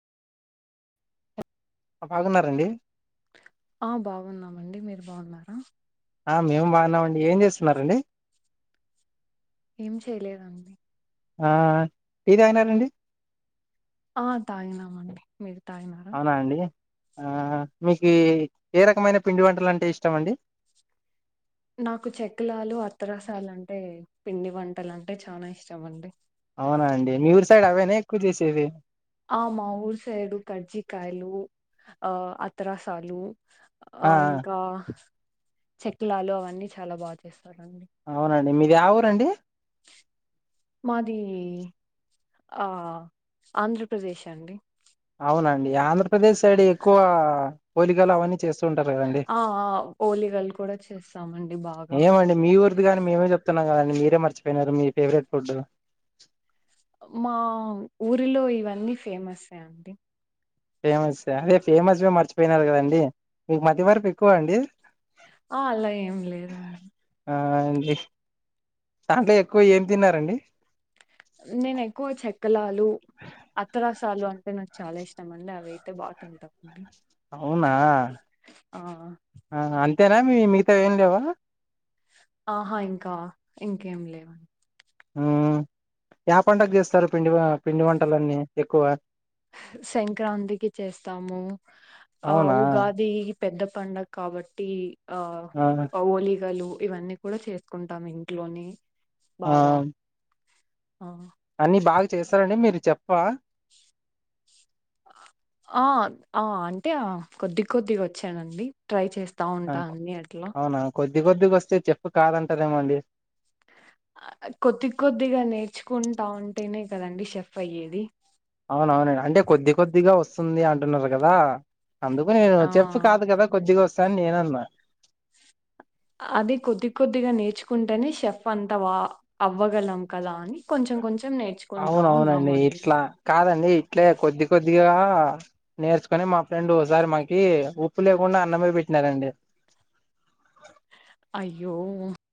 బాగున్నారంండి. ఆ బాగున్నామండి మీరు బాగున్నారా ఆ మేము బాగున్నామండి ఏం చేస్తున్నారండి ఏం చేయలేదండి ఆ టీ తాగినారండి ఆ తాగినమండి మీరు తాగినారా అవునా అండి ఆ మీకి ఏ రకమైన పిండి వంటలు అంటే ఇష్టము అండి నాకు చెకులాలు అత్రరసాలు అంటే పిండి వంటలు అంటే చానా ఇష్టం అండి అవునా అండి మీ ఊరు సైడ్ అవేనా ఎక్కువ చేసేది ఆ మా ఊరు సైడు కజ్జికాయలు ఆ అత్రసాలు ఆ ఇంకా చెక్కిలాలు అవన్నీ చాలా బాగా చేసు అవునండి మీది ఏ ఊరు అండి మాది ఆ ఆంధ్రప్రదేశ్ అండి అవునండి ఆంధ్రప్రదేశ్ సైడ్ ఎక్కువ పోలికలు అవన్నీ చేసు తుంటారు కదండి ఆ ఆ ఓలిగలు కూడా చేస్తామండి బాగా ఏమో అండి మీ ఊరిది కానీ మేమే చెప్తున్నాము కాదన్ మీరే మర్చిపోయినారు మీ ఫేవరెట్ ఫుడ్ మా ఊరిలో ఇవన్నీ ఫేమస్ ఏ అండి ఫేమస్ అదే ఫేమస్ వే మర్చిపోయినారు కదండి మీకు మతిమరుపు ఎక్కువ అండి ఆ అలా ఏం లేదండి ఆ అండి దాంట్లో ఎక్కువ ఏం తిన్నారండి నేను ఎక్కువ చెక్కలాలు అత్తరాసు తాలు అంటే నాకు చాలా ఇష్టం అండి అవి అయితే బాగా తింటామండి అవునా ఆ అంతేనా మిగతా ఏం లేవా ఆహా ఇంకా ఇంకేం లేవండి ఆ ఏ పండగ గు చేస్తారు పిండి వా పిండి వంటలన్నీ ఎక్కువ సంక్రాంతికి చేస్తాము ఆ అవునా ఉగాది పెద్ద పండుగ కాబట్టి ఆ ఓలిగలు ఇవన్నీ కూడా చేసుకుంటాం ఇంట్లోని ఆమ్ అ అన్ని బాగా చేస్తారండి మీరు చెప్ప ఆ ఆ అంటే కొద్ది కొద్దిగా వచ్చానండి ట్రై చేసు త ఆ, ఉంటాది ఎట్లా అవునా కొద్ది కొద్దిగా వస్తే చెప్పు కాదంటారేమో అండి ఆ కొద్ది కొద్దిగా నేర్చుకుంటా ఉంటేనే కదండి, షెఫ్ అయ్యేది అవునవును, అంటే కొద్ది కొద్దిగా వస్తుంది అంటున్నారు కదా? అందుకు నేను ఆ షేఫ్ కాదు కదా, కొద్దిగా వస్తాను అని నేను అన్నా. అది కొద్ది కొద్దిగా నేచు కుంటేనే షేఫ్ అంటావా అవ్వగలం కదా అని, కొంచెం కొంచెం నేర్చుకుంటా అవునవునండి, ఉన్నామండి. ఇట్లా కాదండి, ఇట్లే కొద్ది కొద్దిగా. అ నేర్చుకొని, మా ఫ్రెండ్ ఒకసారి మాకి ఉప్పు లేకుండా అన్నమే పెట్టినారండీ. [inaudible] అయ్యో!